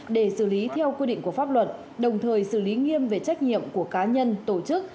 để xử lý theo quy định của pháp luật đồng thời xử lý nghiêm về trách nhiệm của cá nhân tổ chức